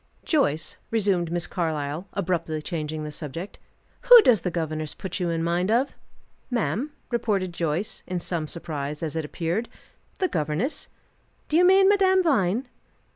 "Joyce," resumed Miss Carlyle, abruptly changing the subject, "who does the governess put you in mind of?" "Ma'am?" repeated Joyce, in some surprise, as it appeared. "The governess? Do you mean Madame Vine?"